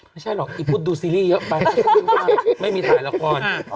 ไม่ใช่หรอกอีพุทธดูซีรีส์เยอะไปไม่มีถ่ายละคร